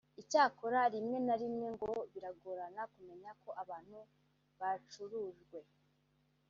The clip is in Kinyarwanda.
Icyakora rimwe na rimwe ngo biragorana kumenya ko abantu bacurujwe